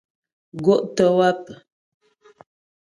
Gó' tə́ wáp.